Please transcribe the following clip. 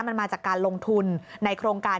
มันมาจากการลงทุนในโครงการ